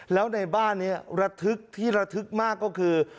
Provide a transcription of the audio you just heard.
แล้วในบ้านนี้ระทึกที่ระทึกมากก็คือ